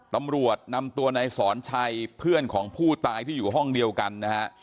ตำรวจนำตัวนายสอนชัยเพื่อนของผู้ตายที่อยู่ห้องเดียวกันนะฮะ